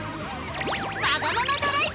「わがままドライブ！